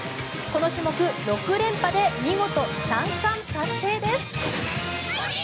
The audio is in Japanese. この種目、６連覇で見事、３冠達成です。